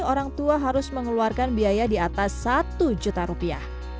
orang tua harus mengeluarkan biaya di atas satu juta rupiah